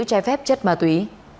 tăng chữ chai phép chất ma túy